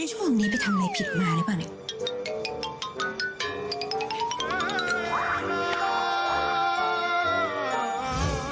ช่วงนี้ไปทำอะไรผิดมาหรือเปล่าเนี่ย